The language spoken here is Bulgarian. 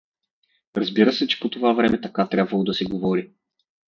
Разбира се, че по това време така трябвало да се говори.